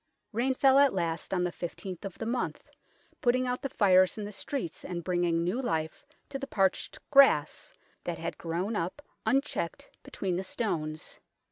Rain fell at last on the I5th of the month, putting out the fires in the streets and bringing new life to the parched grass that had grown up un checked between the stones.